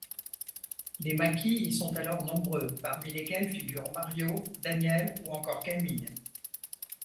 Les maquis y sont alors nombreux, parmi lesquels figurent Mariaux, Daniel ou encore Camille.